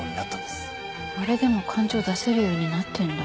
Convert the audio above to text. あれでも感情出せるようになったんだ。